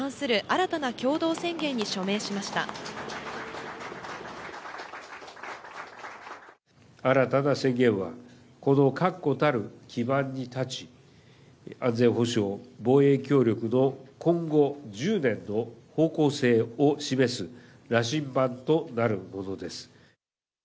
新たな宣言は、この確固たる基盤に立ち、安全保障、防衛協力の今後１０年の方向性を示す羅針盤となるものです。